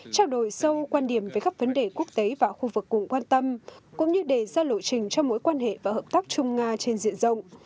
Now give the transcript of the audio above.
trao đổi sâu quan điểm về các vấn đề quốc tế và khu vực cùng quan tâm cũng như đề ra lộ trình cho mối quan hệ và hợp tác chung nga trên diện rộng